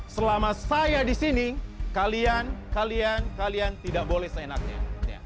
selama saya di sini kalian kalian kalian tidak boleh seenaknya